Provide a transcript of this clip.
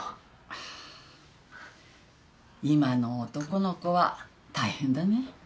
ああ今の男の子は大変だね。